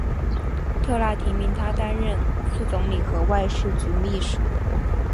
特纳提名他担任副总理和外事局秘书。